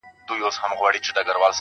زما د سيمي د ميوند شاعري ,